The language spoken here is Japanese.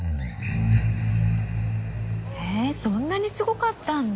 へぇそんなにすごかったんだ。